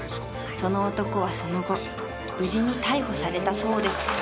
［その男はその後無事に逮捕されたそうです］